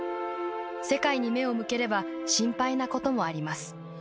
世界に目を向ければ心配なこともあります。